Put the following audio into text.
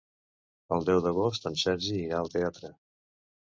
El deu d'agost en Sergi irà al teatre.